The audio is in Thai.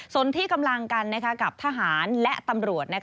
ส่วนที่กำลังกันกับทหารและตำรวจ